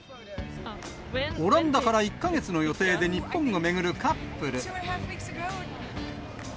オランダから１か月の予定で日本を巡るカップル。